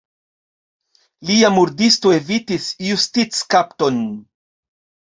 Lia murdisto evitis justickapton.